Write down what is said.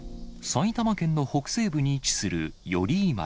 埼玉県の北西部に位置する寄居町。